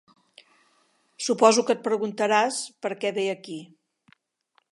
Suposo que et preguntaràs per què ve aquí.